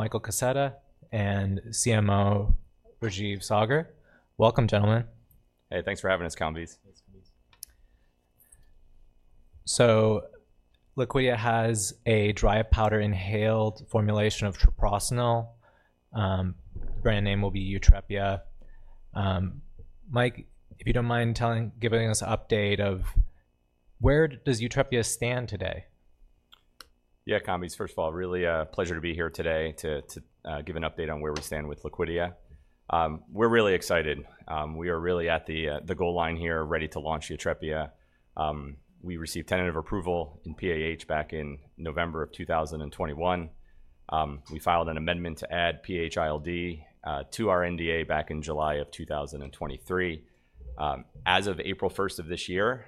Michael Kaseta and CMO Rajeev Saggar. Welcome, gentlemen. Hey, thanks for having us, Kambiz. Thanks for this. Liquidia has a dry powder inhaled formulation of treprostinil. Brand name will be YUTREPIA. Mike, if you don't mind giving us an update of where does YUTREPIA stand today? Yeah, Kambiz, first of all, really a pleasure to be here today to give an update on where we stand with Liquidia. We're really excited. We are really at the goal line here, ready to launch YUTREPIA. We received tentative approval in PAH back in November of 2021. We filed an amendment to add PH-ILD to our NDA back in July of 2023. As of April 1 of this year,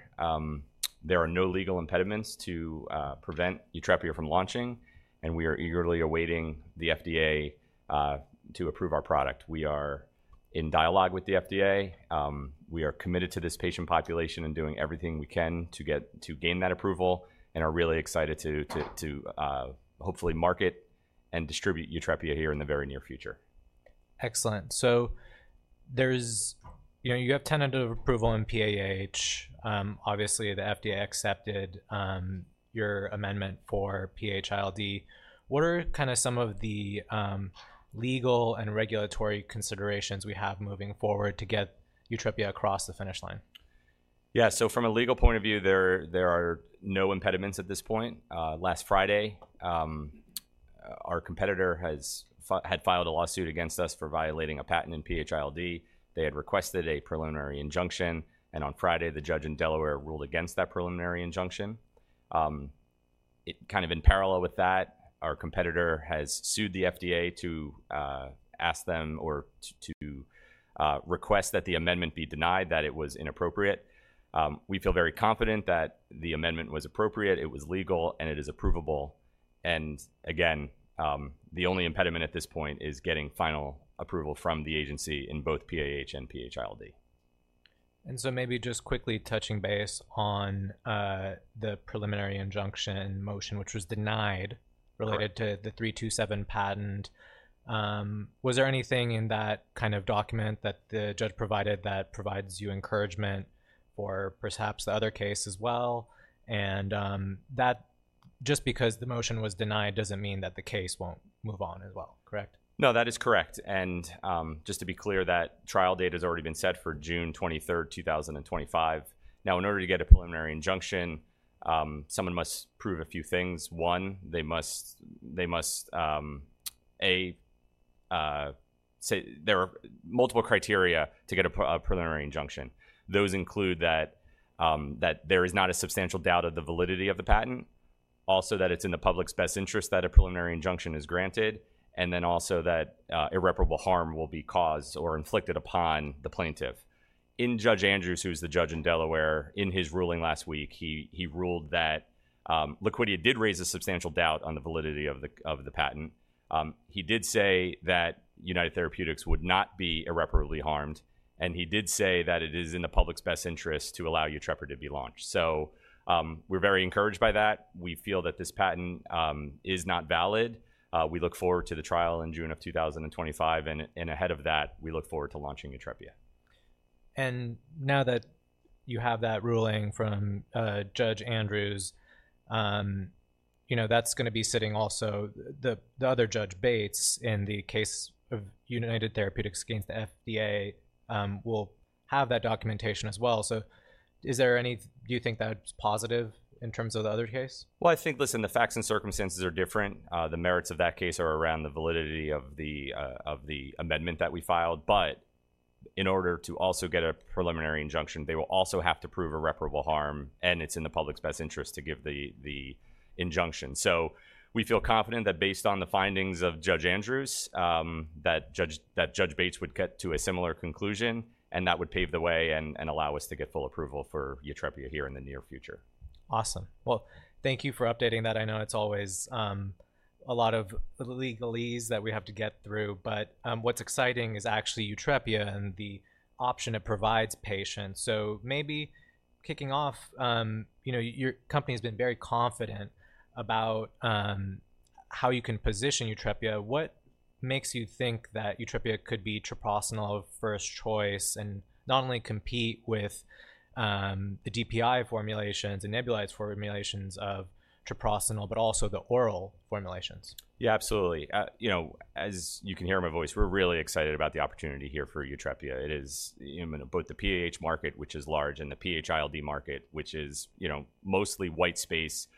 there are no legal impediments to prevent YUTREPIA from launching, and we are eagerly awaiting the FDA to approve our product. We are in dialogue with the FDA. We are committed to this patient population and doing everything we can to gain that approval and are really excited to hopefully market and distribute YUTREPIA here in the very near future. Excellent. So there's, you know, you have tentative approval in PAH. Obviously, the FDA accepted your amendment for PH-ILD. What are kind of some of the legal and regulatory considerations we have moving forward to get YUTREPIA across the finish line? Yeah, so from a legal point of view, there are no impediments at this point. Last Friday, our competitor had filed a lawsuit against us for violating a patent in PH-ILD. They had requested a preliminary injunction, and on Friday, the judge in Delaware ruled against that preliminary injunction. It kind of in parallel with that, our competitor has sued the FDA to ask them to request that the amendment be denied, that it was inappropriate. We feel very confident that the amendment was appropriate, it was legal, and it is approvable. And again, the only impediment at this point is getting final approval from the agency in both PAH and PH-ILD. Maybe just quickly touching base on the preliminary injunction motion, which was denied. Correct... related to the 327 patent. Was there anything in that kind of document that the judge provided that provides you encouragement for perhaps the other case as well? That just because the motion was denied doesn't mean that the case won't move on as well, correct? No, that is correct. And, just to be clear, that trial date has already been set for June 23, 2025. Now, in order to get a preliminary injunction, someone must prove a few things. One, they must, they must, There are multiple criteria to get a preliminary injunction. Those include that, that there is not a substantial doubt of the validity of the patent, also that it's in the public's best interest that a preliminary injunction is granted, and then also that, irreparable harm will be caused or inflicted upon the plaintiff. In Judge Andrews, who was the judge in Delaware, in his ruling last week, he ruled that, Liquidia did raise a substantial doubt on the validity of the patent. He did say that United Therapeutics would not be irreparably harmed, and he did say that it is in the public's best interest to allow YUTREPIA to be launched. So, we're very encouraged by that. We feel that this patent is not valid. We look forward to the trial in June of 2025, and, and ahead of that, we look forward to launching YUTREPIA. And now that you have that ruling from Judge Andrews, you know, that's gonna be sitting also... The other Judge Bates in the case of United Therapeutics against the FDA will have that documentation as well. So, do you think that's positive in terms of the other case? Well, I think, listen, the facts and circumstances are different. The merits of that case are around the validity of the amendment that we filed. But in order to also get a preliminary injunction, they will also have to prove irreparable harm, and it's in the public's best interest to give the injunction. So we feel confident that based on the findings of Judge Andrews, that Judge Bates would get to a similar conclusion, and that would pave the way and allow us to get full approval for YUTREPIA here in the near future. Awesome. Well, thank you for updating that. I know it's always a lot of legalese that we have to get through, but what's exciting is actually YUTREPIA and the option it provides patients. So maybe kicking off, you know, your company's been very confident about how you can position YUTREPIA. What makes you think that YUTREPIA could be treprostinil of first choice and not only compete with the DPI formulations and nebulized formulations of treprostinil, but also the oral formulations? Yeah, absolutely. You know, as you can hear my voice, we're really excited about the opportunity here for YUTREPIA. It is both the PAH market, which is large, and the PH-ILD market, which is, you know, mostly white space.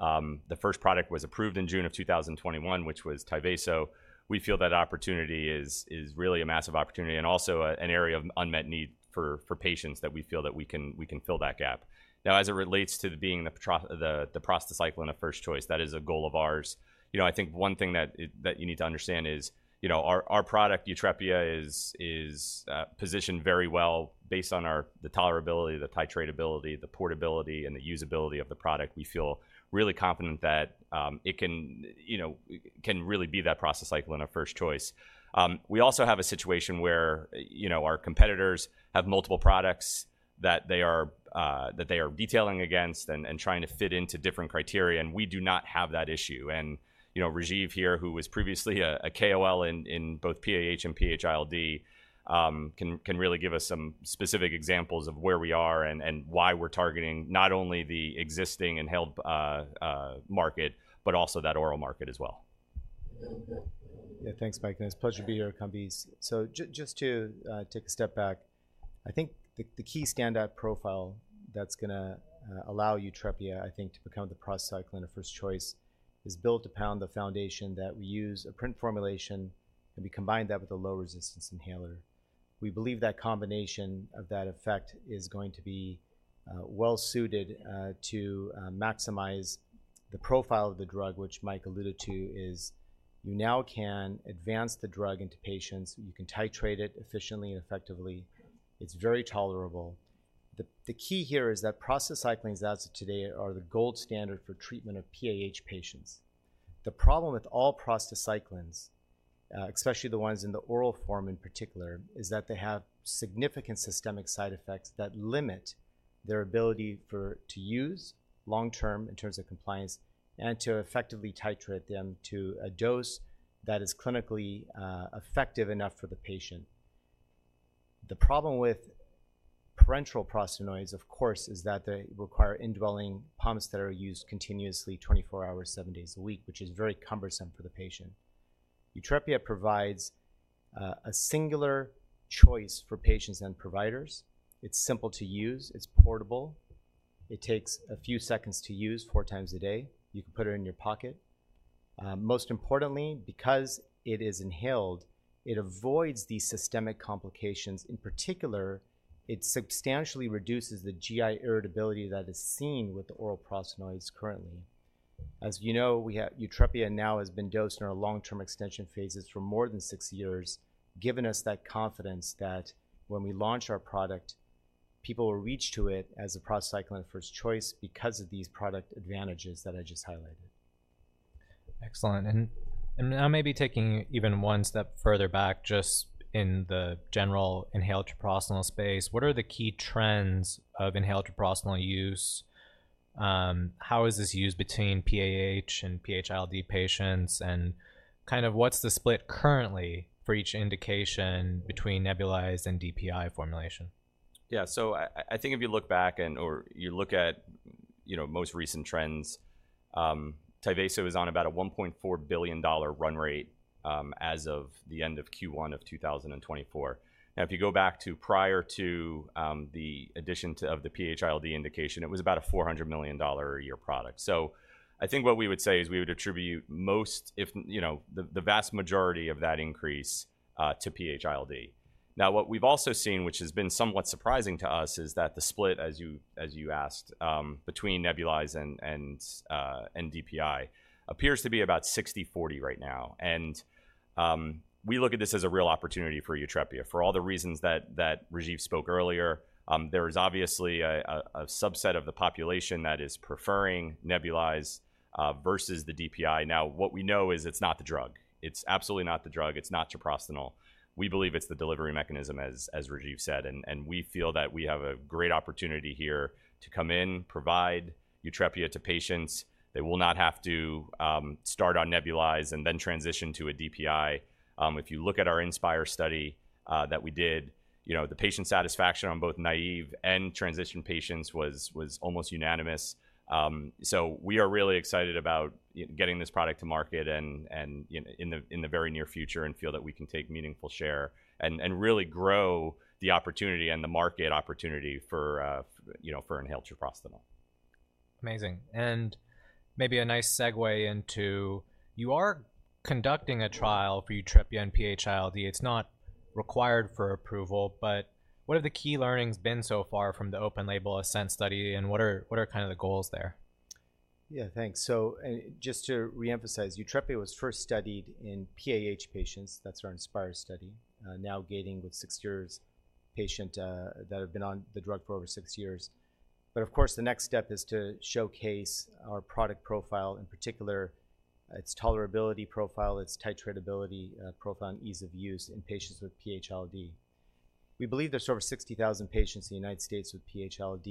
The first product was approved in June of 2021, which was Tyvaso. We feel that opportunity is really a massive opportunity and also an area of unmet need for patients that we feel that we can fill that gap. Now, as it relates to being the prostacyclin of first choice, that is a goal of ours. You know, I think one thing that you need to understand is, you know, our product, YUTREPIA, is positioned very well based on the tolerability, the titratability, the portability, and the usability of the product. We feel really confident that it can, you know, can really be that prostacyclin of first choice. We also have a situation where, you know, our competitors have multiple products that they are detailing against and trying to fit into different criteria, and we do not have that issue. You know, Rajeev here, who was previously a KOL in both PAH and PH-ILD, can really give us some specific examples of where we are and why we're targeting not only the existing inhaled market, but also that oral market as well. Yeah, thanks, Mike, and it's a pleasure to be here, Kambiz. So just to take a step back, I think the key standout profile that's gonna allow YUTREPIA, I think, to become the prostacyclin of first choice is built upon the foundation that we use a PRINT formulation, and we combine that with a low-resistance inhaler. We believe that combination of that effect is going to be well suited to maximize the profile of the drug, which Mike alluded to, is you now can advance the drug into patients, you can titrate it efficiently and effectively. It's very tolerable. The key here is that prostacyclins, as of today, are the gold standard for treatment of PAH patients. The problem with all prostacyclins, especially the ones in the oral form in particular, is that they have significant systemic side effects that limit their ability to use long term in terms of compliance and to effectively titrate them to a dose that is clinically effective enough for the patient. The problem with parenteral prostanoids, of course, is that they require indwelling pumps that are used continuously 24 hours, 7 days a week, which is very cumbersome for the patient. YUTREPIA provides a singular choice for patients and providers. It's simple to use, it's portable, it takes a few seconds to use 4 times a day. You can put it in your pocket. Most importantly, because it is inhaled, it avoids these systemic complications. In particular, it substantially reduces the GI irritability that is seen with the oral prostanoids currently. As you know, we have YUTREPIA now has been dosed in our long-term extension phases for more than six years, giving us that confidence that when we launch our product, people will reach to it as a prostacyclin first choice because of these product advantages that I just highlighted. Excellent. And, and now maybe taking even one step further back just in the general inhaled treprostinil space, what are the key trends of inhaled treprostinil use? How is this used between PAH and PH-ILD patients, and kind of what's the split currently for each indication between nebulized and DPI formulation? Yeah. So I think if you look back or you look at, you know, most recent trends, Tyvaso is on about a $1.4 billion run rate, as of the end of Q1 of 2024. Now, if you go back to prior to the addition of the PH-ILD indication, it was about a $400 million a year product. So I think what we would say is we would attribute most of, you know, the vast majority of that increase to PH-ILD. Now, what we've also seen, which has been somewhat surprising to us, is that the split, as you asked, between nebulized and DPI, appears to be about 60/40 right now, and we look at this as a real opportunity for YUTREPIA. For all the reasons that Rajeev spoke earlier, there is obviously a subset of the population that is preferring nebulized versus the DPI. Now, what we know is it's not the drug. It's absolutely not the drug. It's not treprostinil. We believe it's the delivery mechanism, as Rajeev said, and we feel that we have a great opportunity here to come in, provide YUTREPIA to patients. They will not have to start on nebulized and then transition to a DPI. If you look at our INSPIRE study that we did, you know, the patient satisfaction on both naive and transition patients was almost unanimous. So we are really excited about getting this product to market and, in the very near future, and feel that we can take meaningful share and really grow the opportunity and the market opportunity for, you know, inhaled treprostinil. Amazing. Maybe a nice segue into... You are conducting a trial for YUTREPIA in PH-ILD. It's not required for approval, but what have the key learnings been so far from the open-label ASCEND study, and what are, what are kind of the goals there? Yeah, thanks. So, and just to reemphasize, YUTREPIA was first studied in PAH patients. That's our INSPIRE study, now gating with six years patient, that have been on the drug for over six years. But of course, the next step is to showcase our product profile, in particular, its tolerability profile, its titratability profile, and ease of use in patients with PH-ILD. We believe there's over 60,000 patients in the United States with PH-ILD.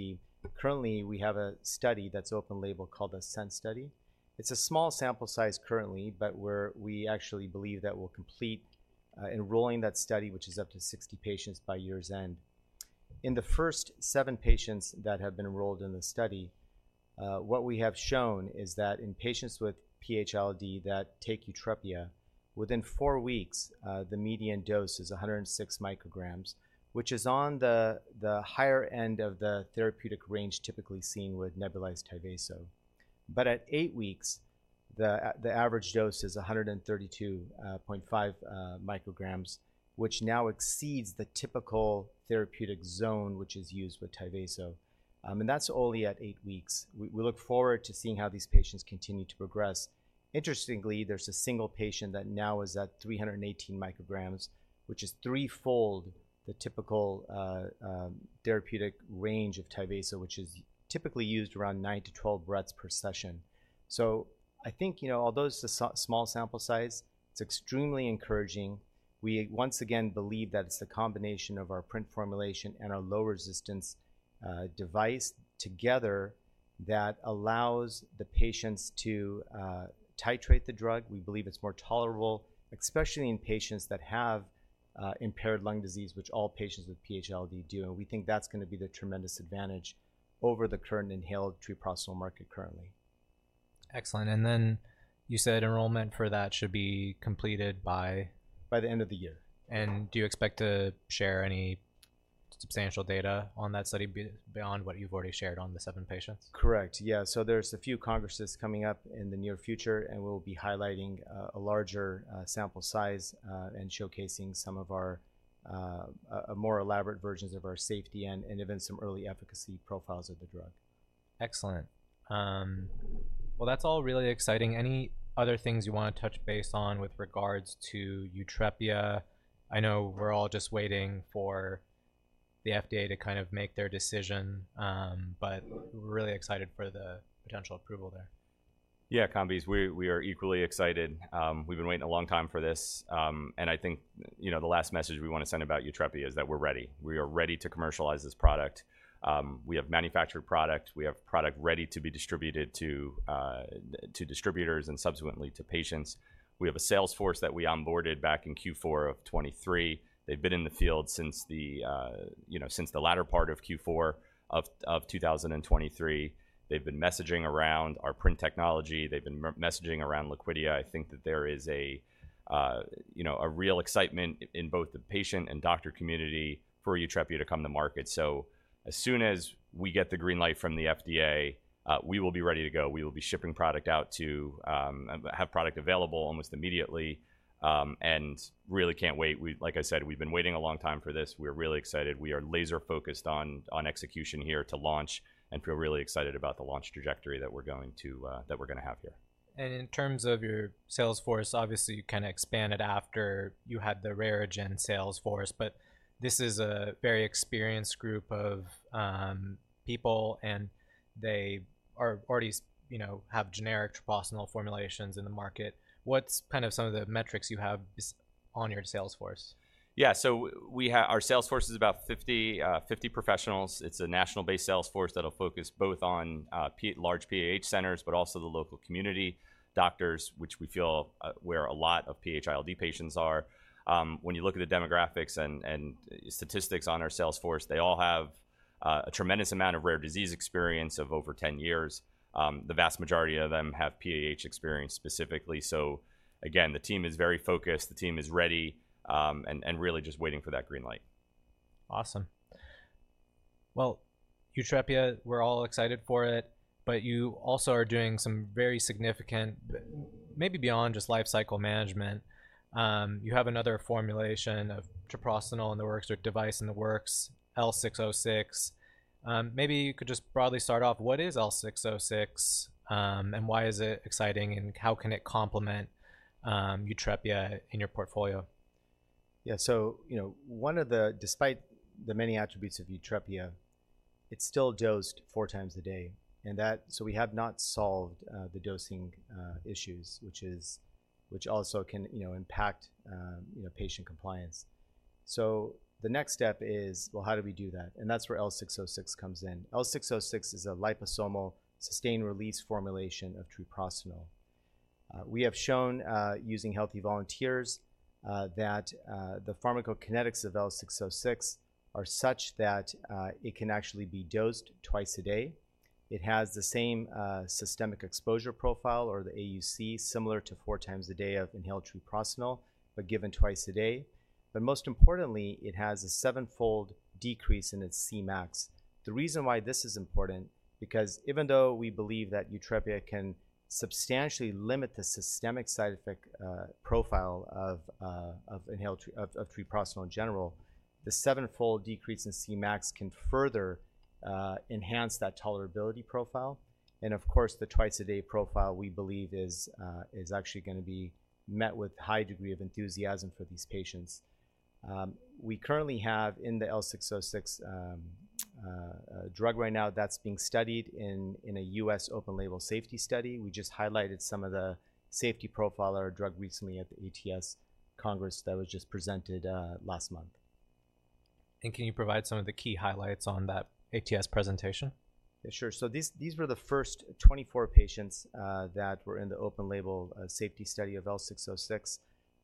Currently, we have a study that's open label called the ASCEND study. It's a small sample size currently, but we actually believe that we'll complete enrolling that study, which is up to 60 patients, by year's end. In the first seven patients that have been enrolled in the study, what we have shown is that in patients with PH-ILD that take YUTREPIA, within 4 weeks, the median dose is 106 micrograms, which is on the higher end of the therapeutic range typically seen with nebulized Tyvaso. But at eight weeks, the average dose is 132.5 micrograms, which now exceeds the typical therapeutic zone, which is used with Tyvaso. And that's only at eight weeks. We look forward to seeing how these patients continue to progress. Interestingly, there's a single patient that now is at 318 micrograms, which is threefold the typical therapeutic range of Tyvaso, which is typically used around nine-12 breaths per session. I think, you know, although it's a small sample size, it's extremely encouraging. We once again believe that it's the combination of our PRINT formulation and our low resistance device together that allows the patients to titrate the drug. We believe it's more tolerable, especially in patients that have impaired lung disease, which all patients with PH-ILD do, and we think that's going to be the tremendous advantage over the current inhaled treprostinil market currently.... Excellent. And then you said enrollment for that should be completed by? By the end of the year. Do you expect to share any substantial data on that study beyond what you've already shared on the seven patients? Correct. Yeah. So there's a few congresses coming up in the near future, and we'll be highlighting a larger sample size and showcasing some of our more elaborate versions of our safety and even some early efficacy profiles of the drug. Excellent. Well, that's all really exciting. Any other things you want to touch base on with regards to YUTREPIA? I know we're all just waiting for the FDA to kind of make their decision, but we're really excited for the potential approval there. Yeah, Kambiz, we are equally excited. We've been waiting a long time for this, and I think, you know, the last message we want to send about YUTREPIA is that we're ready. We are ready to commercialize this product. We have manufactured product. We have product ready to be distributed to distributors and subsequently to patients. We have a sales force that we onboarded back in Q4 of 2023. They've been in the field since the, you know, since the latter part of Q4 of 2023. They've been messaging around our PRINT technology. They've been messaging around Liquidia. I think that there is a, you know, a real excitement in both the patient and doctor community for YUTREPIA to come to market. So as soon as we get the green light from the FDA, we will be ready to go. We will be shipping product out to have product available almost immediately, and really can't wait. Like I said, we've been waiting a long time for this. We're really excited. We are laser focused on execution here to launch and feel really excited about the launch trajectory that we're going to have here. In terms of your sales force, obviously, you kind of expanded after you had the RareGen sales force, but this is a very experienced group of people, and they are already, you know, have generic treprostinil formulations in the market. What's kind of some of the metrics you have on your sales force? Yeah. So our sales force is about 50 professionals. It's a national-based sales force that'll focus both on large PAH centers, but also the local community doctors, which we feel where a lot of PH-ILD patients are. When you look at the demographics and statistics on our sales force, they all have a tremendous amount of rare disease experience of over 10 years. The vast majority of them have PAH experience specifically. So again, the team is very focused, the team is ready, and really just waiting for that green light. Awesome. Well, YUTREPIA, we're all excited for it, but you also are doing some very significant, maybe beyond just life cycle management. You have another formulation of treprostinil in the works or device in the works, L606. Maybe you could just broadly start off, what is L606, and why is it exciting, and how can it complement, YUTREPIA in your portfolio? Yeah. So, you know, despite the many attributes of YUTREPIA, it's still dosed four times a day, and that. So we have not solved the dosing issues, which also can, you know, impact, you know, patient compliance. So the next step is, well, how do we do that? And that's where L606 comes in. L606 is a liposomal sustained-release formulation of treprostinil. We have shown, using healthy volunteers, that the pharmacokinetics of L606 are such that it can actually be dosed twice a day. It has the same systemic exposure profile or the AUC, similar to four times a day of inhaled treprostinil, but given twice a day. But most importantly, it has a sevenfold decrease in its Cmax. The reason why this is important, because even though we believe that YUTREPIA can substantially limit the systemic side effect profile of inhaled treprostinil in general, the sevenfold decrease in Cmax can further enhance that tolerability profile. And of course, the twice-a-day profile, we believe is actually going to be met with high degree of enthusiasm for these patients. We currently have the L606 drug right now that's being studied in a U.S. open label safety study. We just highlighted some of the safety profile of our drug recently at the ATS Congress that was just presented last month. Can you provide some of the key highlights on that ATS presentation? Yeah, sure. So these were the first 24 patients that were in the open label safety study of L606.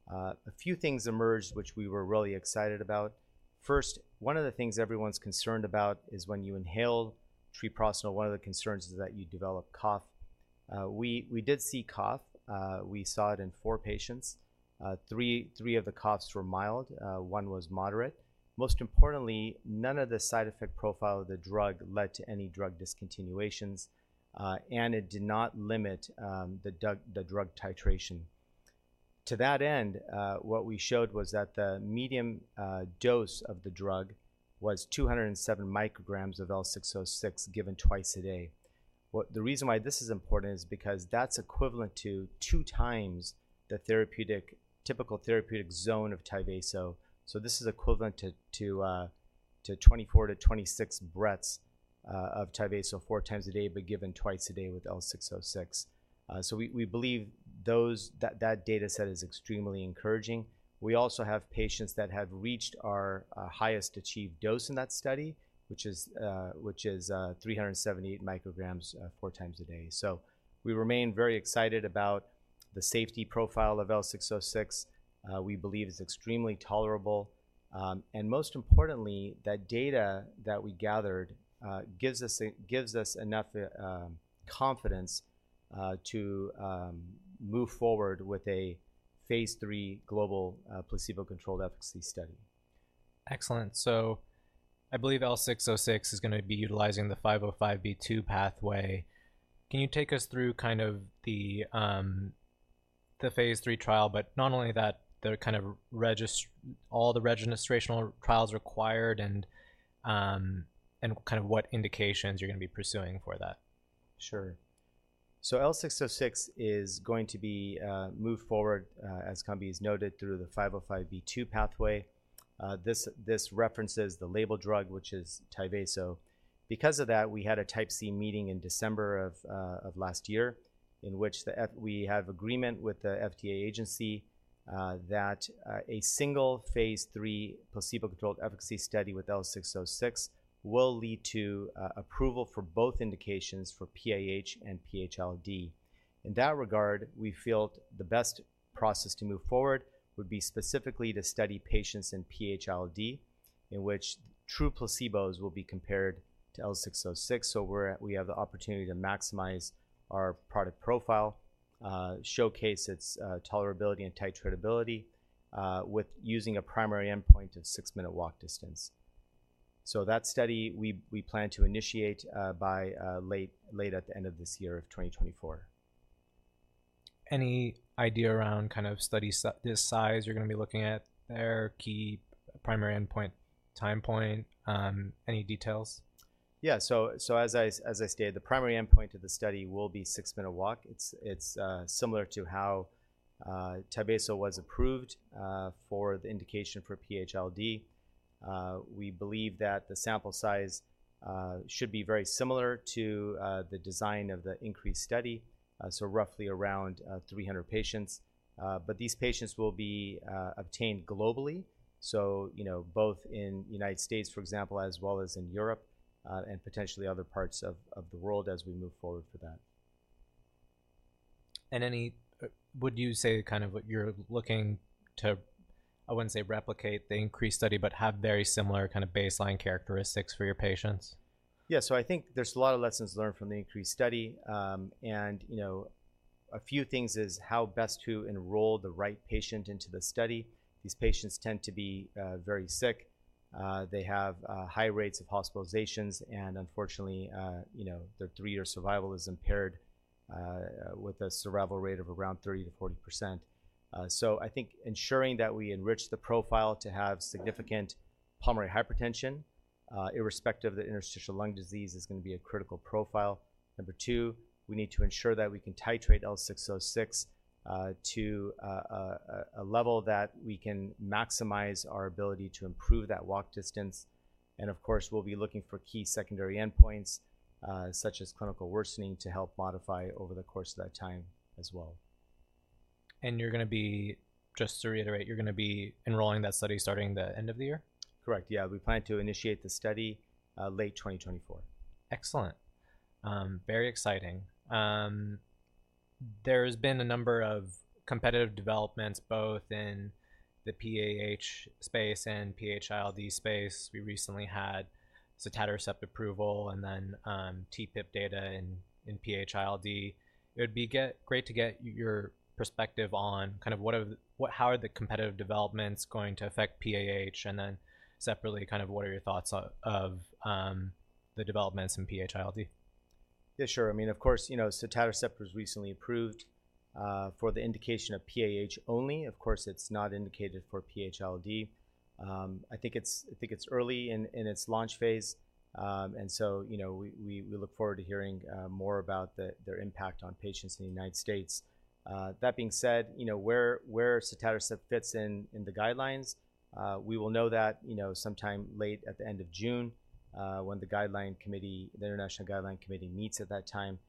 A few things emerged, which we were really excited about. First, one of the things everyone's concerned about is when you inhale treprostinil, one of the concerns is that you develop cough. We did see cough. We saw it in four patients. Three of the coughs were mild, one was moderate. Most importantly, none of the side effect profile of the drug led to any drug discontinuations, and it did not limit the drug titration. To that end, what we showed was that the median dose of the drug was 207 micrograms of L606, given twice a day. The reason why this is important is because that's equivalent to two times the therapeutic, typical therapeutic zone of Tyvaso. So this is equivalent to 24-26 breaths of Tyvaso, fou times a day, but given twice a day with L606. So we believe that data set is extremely encouraging. We also have patients that have reached our highest achieved dose in that study, which is 378 micrograms, four times a day. So we remain very excited about the safety profile of L606. We believe it's extremely tolerable, and most importantly, that data that we gathered gives us enough confidence to move forward with a Phase III global placebo-controlled efficacy study. Excellent. So I believe L606 is going to be utilizing the 505(b)(2) pathway. Can you take us through kind of the, the phase III trial, but not only that, the kind of all the registrational trials required and, and kind of what indications you're going to be pursuing for that? Sure. So L606 is going to be moved forward, as Kambiz's noted, through the 505(b)(2) pathway. This references the label drug, which is Tyvaso. Because of that, we had a Type C meeting in December of last year, in which we have agreement with the FDA agency that a single phase III placebo-controlled efficacy study with L606 will lead to approval for both indications for PAH and PH-ILD. In that regard, we feel the best process to move forward would be specifically to study patients in PH-ILD, in which true placebos will be compared to L606. So we have the opportunity to maximize our product profile, showcase its tolerability and titratability, with using a primary endpoint of six-minute walk distance. So that study, we plan to initiate by late at the end of this year of 2024. Any idea around kind of study the size you're going to be looking at there, key primary endpoint, time point, any details? Yeah. So as I stated, the primary endpoint of the study will be six-minute walk. It's similar to how Tyvaso was approved for the indication for PH-ILD. We believe that the sample size should be very similar to the design of the INCREASE study, so roughly around 300 patients. But these patients will be obtained globally, so you know, both in United States, for example, as well as in Europe, and potentially other parts of the world as we move forward for that. Would you say kind of what you're looking to, I wouldn't say replicate the INCREASE study, but have very similar kind of baseline characteristics for your patients? Yeah. So I think there's a lot of lessons learned from the INCREASE study. And, you know, a few things is how best to enroll the right patient into the study. These patients tend to be very sick. They have high rates of hospitalizations, and unfortunately, you know, their three-year survival is impaired with a survival rate of around 30%-40%. So I think ensuring that we enrich the profile to have significant pulmonary hypertension, irrespective of the interstitial lung disease, is going to be a critical profile. Number two, we need to ensure that we can titrate L606 to a level that we can maximize our ability to improve that walk distance. Of course, we'll be looking for key secondary endpoints, such as clinical worsening, to help modify over the course of that time as well. You're going to be, just to reiterate, you're going to be enrolling that study starting the end of the year? Correct. Yeah, we plan to initiate the study late 2024. Excellent. Very exciting. There's been a number of competitive developments, both in the PAH space and PH-ILD space. We recently had sotatercept approval and then, TPIP data in, in PH-ILD. It would be great to get your perspective on kind of what are... What, how are the competitive developments going to affect PAH? And then separately, kind of what are your thoughts on, of, the developments in PH-ILD? Yeah, sure. I mean, of course, you know, sotatercept was recently approved for the indication of PAH only. Of course, it's not indicated for PH-ILD. I think it's early in its launch phase, and so, you know, we look forward to hearing more about their impact on patients in the United States. That being said, you know, where sotatercept fits in in the guidelines, we will know that, you know, sometime late at the end of June, when the guideline committee, the international guideline committee, meets at that time.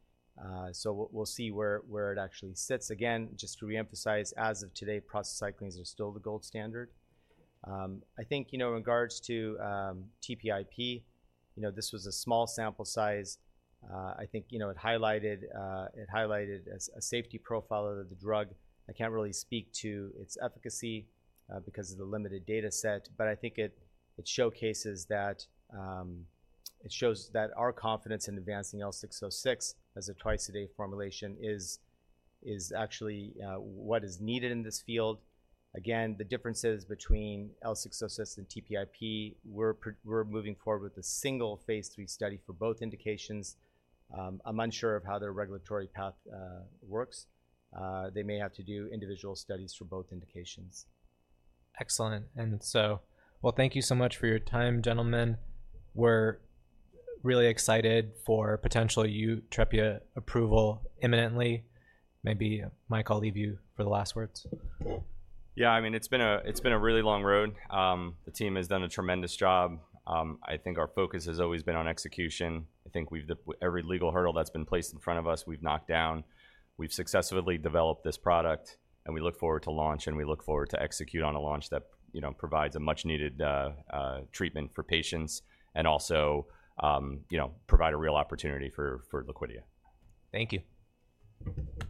So we'll see where it actually sits. Again, just to reemphasize, as of today, prostacyclins are still the gold standard. I think, you know, in regards to TPIP, you know, this was a small sample size. I think, you know, it highlighted a safety profile of the drug. I can't really speak to its efficacy because of the limited data set, but I think it showcases that... It shows that our confidence in advancing L606 as a twice-a-day formulation is actually what is needed in this field. Again, the differences between L606 and TPIP, we're moving forward with a single phase III study for both indications. I'm unsure of how their regulatory path works. They may have to do individual studies for both indications. Excellent. And so, well, thank you so much for your time, gentlemen. We're really excited for potential YUTREPIA approval imminently. Maybe, Mike, I'll leave you for the last words. Yeah, I mean, it's been a really long road. The team has done a tremendous job. I think our focus has always been on execution. I think we've knocked down every legal hurdle that's been placed in front of us. We've successfully developed this product, and we look forward to launch, and we look forward to execute on a launch that, you know, provides a much-needed treatment for patients and also, you know, provide a real opportunity for Liquidia. Thank you.